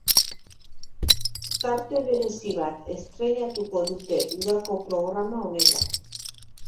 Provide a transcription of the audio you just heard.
Tarte berezi bat estreinatuko dute udako programa honetan.